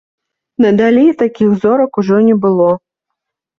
Надалей такіх зорак ужо не было.